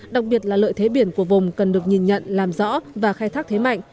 đặc biệt là lợi thế biển của vùng cần được nhìn nhận làm rõ và khai thác thế mạnh